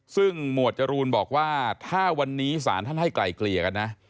ซึ่งหมวดจรูนบอกว่าถ้าวันนี้ศาลท่านให้ไกลเกลี่ยกันนะ